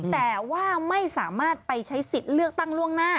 แต่ว่าไม่สามารถไปใช้สิทธิ์เลือกตั้งล่วงหน้า